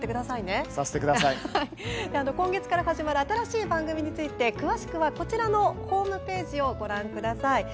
今月から始まる新しい番組について詳しくはこちらのホームページをご覧ください。